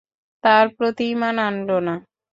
তার প্রতি ঈমান আনল না।